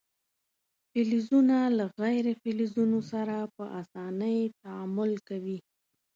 فلزونه له غیر فلزونو سره په اسانۍ تعامل کوي.